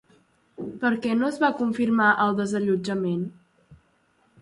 Per què no es va confirmar el desallotjament?